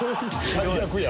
最悪や。